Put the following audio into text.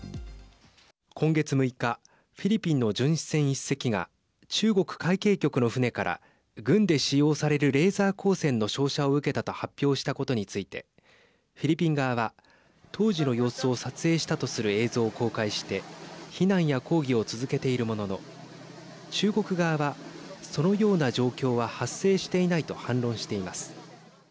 今月６日フィリピンの巡視船１隻が中国海警局の船から軍で使用されるレーザー光線の照射を受けたと発表したことについてフィリピン側は当時の様子を撮影したとする映像を公開して非難や抗議を続けているものの中国側はそのような状況は発生していないと反論しています。